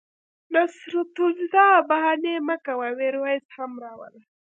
نصرت الله بهاني مه کوه میرویس هم را وله